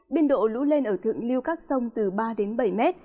biên độ lũ lên ở thượng lưu các sông từ ba đến bảy mét